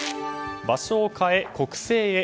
場所を変え国政へ。